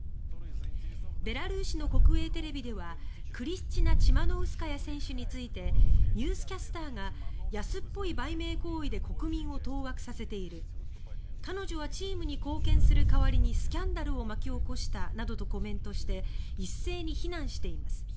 ベラルーシの国営テレビではクリスチナ・チマノウスカヤ選手についてニュースキャスターが安っぽい売名行為で国民を当惑させている彼女はチームに貢献する代わりにスキャンダルを巻き起こしたなどとコメントして一斉に非難しています。